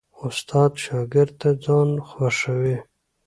استاد شاګرد ته ځان خوښوي.